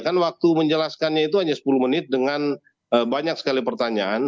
kan waktu menjelaskannya itu hanya sepuluh menit dengan banyak sekali pertanyaan